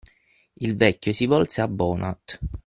Il vecchio si volse a Bonard.